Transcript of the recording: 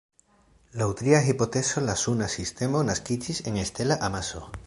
Laŭ tria hipotezo la Suna sistemo naskiĝis en stela amaso.